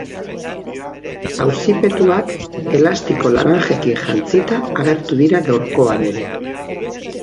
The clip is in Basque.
Auzipetuak elastiko laranjekin jantzita agertu dira gaurkoan ere.